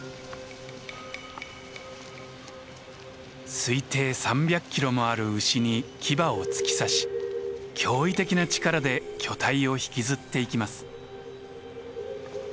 推定３００キロもある牛に牙を突き刺し驚異的な力で巨体を引きずっていきます。